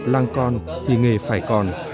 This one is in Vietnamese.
làng con thì nghề phải còn